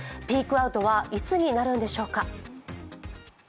ピークアウトはいつになるんでしょうか？